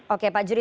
oke pak juri